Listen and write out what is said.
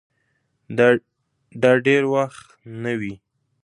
دا دېر وخت نه وې